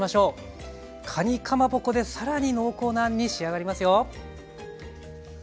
かにかまぼこで更に濃厚なあんに仕上がりますよ。